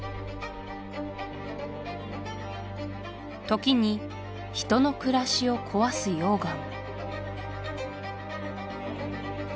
時に人の暮らしを壊す溶岩